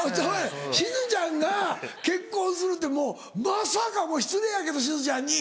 しずちゃんが結婚するってもうまさか失礼やけどしずちゃんに。